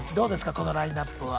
このラインナップは。